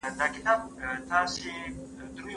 توري ولې په سترګو نه لیدل کیږي؟